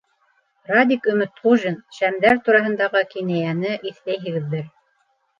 Радик Өмөтҡужин: Шәмдәр тураһындағы кинәйәне иҫләйһегеҙҙер.